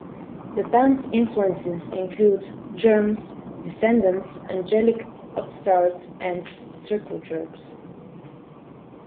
The band's influences include Germs, Descendants, Angelic Upstarts and Circle Jerks.